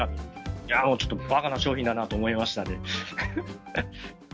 いやぁ、ちょっともう、ばかな商品だなと思いましたね。